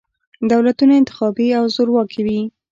دولتونه انتخابي او زورواکي وي.